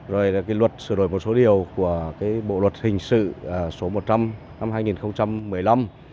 rồi là luật sửa đổi một số điều của bộ luật hình sự số một trăm linh năm hai nghìn một mươi năm